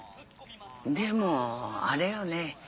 でもあれよね。